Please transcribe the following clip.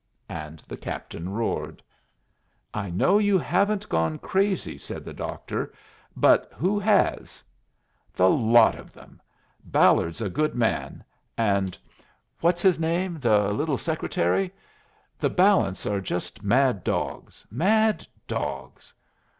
And the captain roared. "I know you haven't gone crazy," said the doctor, "but who has?" "The lot of them. Ballard's a good man, and what's his name? the little Secretary. The balance are just mad dogs mad dogs.